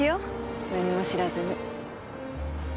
何も知らずに。